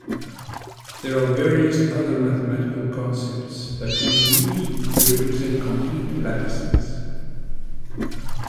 There are various other mathematical concepts that can be used to represent complete lattices.